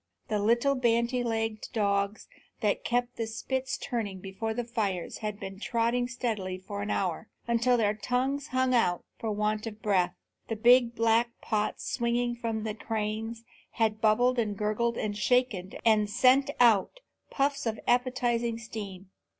The little bandy legged dogs that kept the spits turning before the fires had been trotting steadily for many an hour, until their tongues hung out for want of breath. The big black pots swinging from the cranes had bubbled and gurgled and shaken and sent out puffs of appetizing steam.